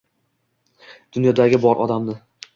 Dunyodagi bor odamni